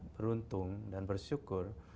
beruntung dan bersyukur